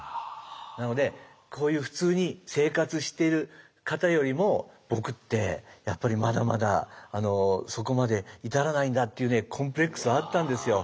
なのでこういう普通に生活してる方よりも僕ってやっぱりまだまだそこまで至らないんだっていうねコンプレックスはあったんですよ。